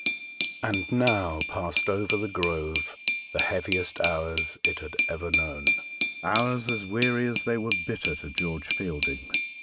AND now passed over "The Grove" the heaviest hours it had ever known; hours as weary as they were bitter to George Fielding.